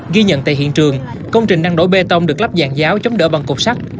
ghi nhận tại hiện trường công trình năng đổ bê tông được lắp dàn giáo chống đỡ bằng cục sắt